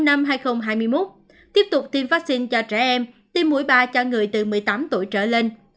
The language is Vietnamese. năm hai nghìn hai mươi một tiếp tục tiêm vaccine cho trẻ em tiêm mũi ba cho người từ một mươi tám tuổi trở lên